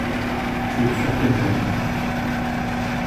Tu es sûr qu’elles aiment.